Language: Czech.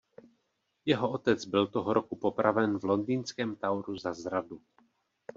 Jeho otec byl toho roku popraven v londýnském Toweru za zradu.